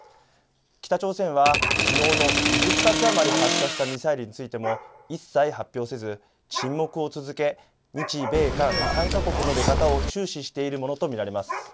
北朝鮮はきのうの２０発余り発射したミサイルについても一切発表せず、沈黙を続け日米韓３か国の出方を注視しているものと見られます。